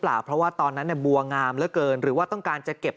เพราะว่าตอนนั้นเนี่ยบัวงามเหลือเกินหรือว่าต้องการจะเก็บ